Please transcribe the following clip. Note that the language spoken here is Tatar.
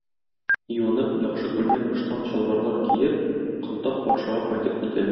Юынып, яхшы күлмәк-ыштан, чалбарлар киеп, Кылтап патшага кайтып китәләр.